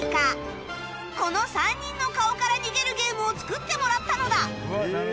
この３人の顔から逃げるゲームを作ってもらったのだ